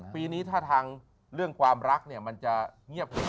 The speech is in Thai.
ปีนี้ถ้าทั้งเรื่องความรักมันจะเงียบเหงา